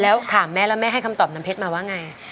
แล้วถามแม่แล้วแม่ให้คำตอบน้ำเพชรมาว่าไง